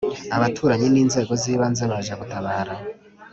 abaturanyi n’inzego z’ibanze baje gutabara